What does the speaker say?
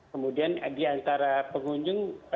kemudian diantara pengunjung